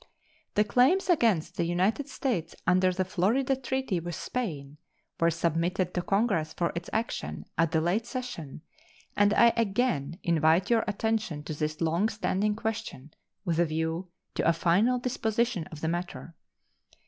The claims against the United States under the Florida treaty with Spain were submitted to Congress for its action at the late session, and I again invite your attention to this long standing question, with a view to a final disposition of the matter.